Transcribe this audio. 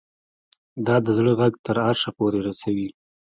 دا د زړه غږ تر عرشه پورې رسوي